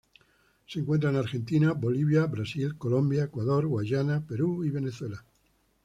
Se encuentra en Argentina, Bolivia, Brasil, Colombia, Ecuador, Guayana, Perú y Venezuela.